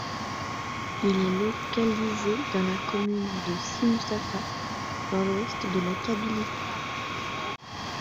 Il est localiusé dans la commune de Si-Mustapha dans l'ouest de la Kabylie.